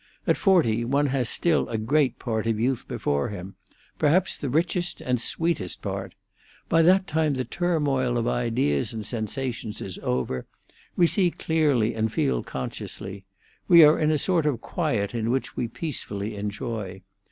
At forty, one has still a great part of youth before him—perhaps the richest and sweetest part. By that time the turmoil of ideas and sensations is over; we see clearly and feel consciously. We are in a sort of quiet in which we peacefully enjoy.